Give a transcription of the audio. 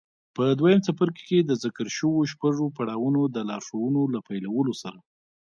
په دويم څپرکي کې د ذکر شويو شپږو پړاوونو د لارښوونو له پيلولو سره.